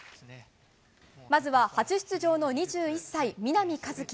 まずは初出場の２１歳、南一輝。